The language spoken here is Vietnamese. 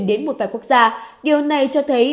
đến một vài quốc gia điều này cho thấy